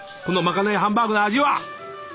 このまかないハンバーグの味は。